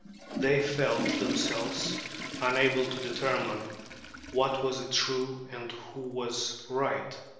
They felt themselves unable to determine what was true and who was right.